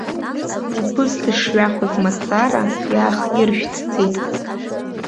Убыс дышҩахоз мацара иаахиршәҭӡеит.